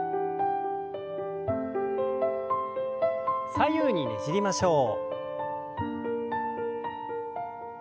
左右にねじりましょう。